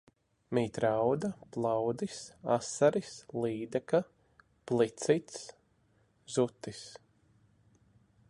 Mīt rauda, plaudis, asaris, līdaka, plicis, zutis.